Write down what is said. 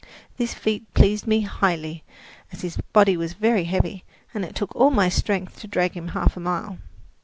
This feat pleased me highly, as his body was very heavy, and it took all my strength to drag him half a mile.